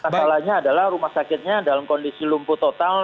masalahnya adalah rumah sakitnya dalam kondisi lumpuh total